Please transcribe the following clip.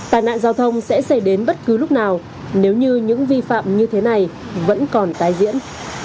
tài nạn giao thông sẽ xảy đến bất cứ lúc nào nếu như những vi phạm như thế này vẫn còn tái diễn